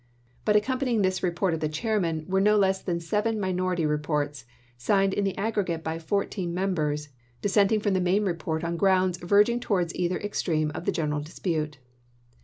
But accompanying this report of the chairman were no less than seven minority reports, signed in the aggregate by fourteen members, dissenting from the main report upon grounds verging towards either extreme of the general dispute.